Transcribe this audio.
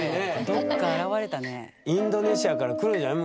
どっか現れたね。